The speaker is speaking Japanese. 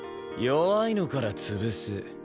弱いのから潰す。